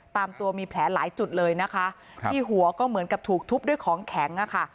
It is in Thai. ตามตัวมีแผลหลายจุดเลยนะคะที่หัวก็เหมือนกับถูกทุบด้วยของแข็งอ่ะค่ะ